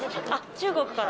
中国から。